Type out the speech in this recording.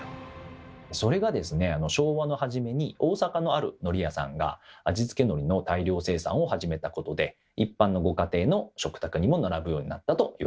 それがですね昭和の初めに大阪のあるのり屋さんが味付けのりの大量生産を始めたことで一般のご家庭の食卓にも並ぶようになったといわれています。